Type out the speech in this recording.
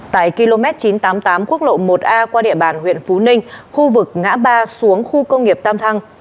tại km chín trăm tám mươi tám quốc lộ một a qua địa bàn huyện phú ninh khu vực ngã ba xuống khu công nghiệp tam thăng